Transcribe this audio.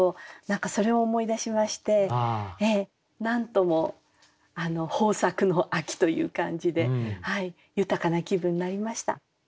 何かそれを思い出しましてなんとも豊作の秋という感じで豊かな気分になりました。